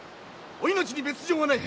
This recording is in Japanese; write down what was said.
お命に別状はない。